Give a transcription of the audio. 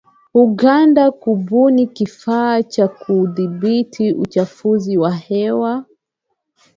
Uganda kubuni kifaa cha kudhibiti uchafuzi wa hewa.